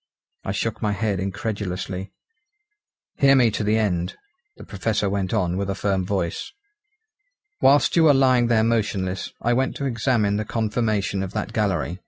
I shook my head incredulously. "Hear me to the end," the Professor went on with a firm voice. "Whilst you were lying there motionless, I went to examine the conformation of that gallery.